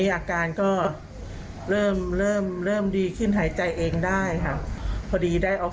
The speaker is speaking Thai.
ยายาอะไรมั้งที่เกียรติภาพไทย